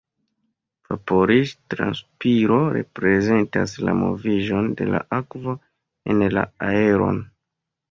Vaporiĝ-transpiro reprezentas la moviĝon de la akvo en la aeron.